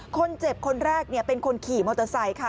คนเจ็บคนแรกเป็นคนขี่มอเตอร์ไซค์ค่ะ